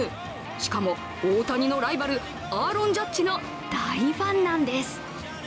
しかも大谷のライバルアーロン・ジャッジの大ファンなんです。